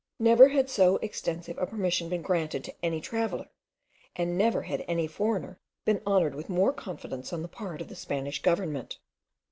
Never had so extensive a permission been granted to any traveller, and never had any foreigner been honoured with more confidence on the part of the Spanish government.